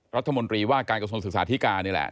รัฐมนตรีว่าการกระทรวงศึกษาธิการนี่แหละ